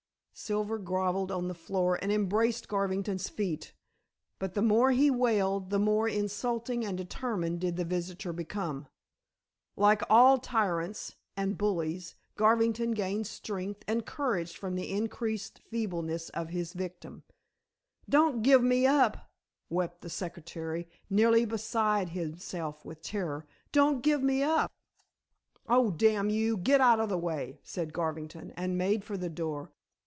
Silver grovelled on the floor and embraced Garvington's feet. But the more he wailed the more insulting and determined did the visitor become. Like all tyrants and bullies Garvington gained strength and courage from the increased feebleness of his victim. "Don't give me up," wept the secretary, nearly beside himself with terror; "don't give me up." "Oh, damn you, get out of the way!" said Garvington, and made for the door.